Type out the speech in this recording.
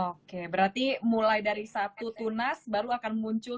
oke berarti mulai dari satu tunas baru akan muncul